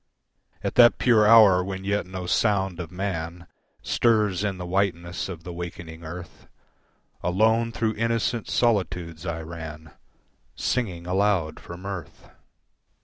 At that pure hour when yet no sound of man, Stirs in the whiteness of the wakening earth, Alone through innocent solitudes I ran Singing aloud for mirth.